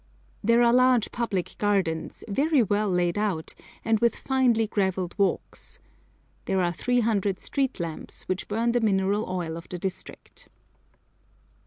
There are large public gardens, very well laid out, and with finely gravelled walks. There are 300 street lamps, which burn the mineral oil of the district.